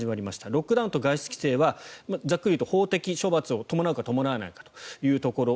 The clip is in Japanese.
ロックダウンと外出規制はざっくりと法的処罰を伴うか伴わないかです。